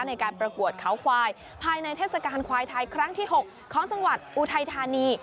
ในการประกวดเขาควายภายในเทศกาลควายไทยครั้งที่๖ของจังหวัดอุทัยธานี